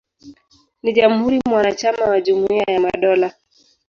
Ni jamhuri mwanachama wa Jumuiya ya Madola.